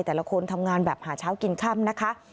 แต่ละคนทำงานแบบหาเช้ากินค่ำนะคะ